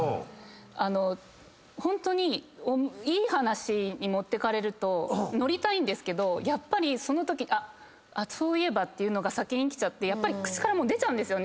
あのホントにいい話に持ってかれるとノりたいんですけどやっぱりそのときそういえばっていうのが先に来ちゃって口から出ちゃう。